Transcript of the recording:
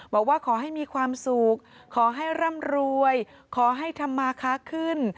บอกว่าขอให้มีความสุขขอให้ร่ำรวยขอให้ธรรมาค้าขึ้น